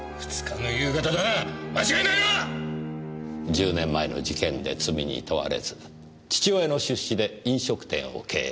１０年前の事件で罪に問われず父親の出資で飲食店を経営。